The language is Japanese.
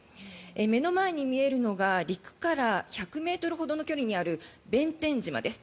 目の前に見えるのが陸から１００ｍほどの距離にある弁天島です。